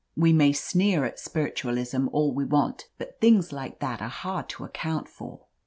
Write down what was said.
We may sneer at Spiritualism all we want, but things like that are hard to account for.